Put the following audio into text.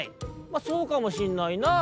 「まあそうかもしんないなぁ」。